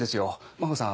真帆さん